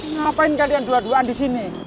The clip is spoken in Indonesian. ngapain kalian dua duaan di sini